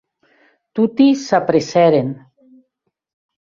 Toti s’apressèren.